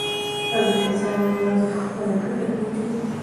انګریزان یوازې خپله ګټه پیژني.